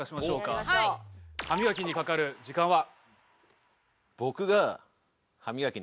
僕が歯磨きにかかる時間は。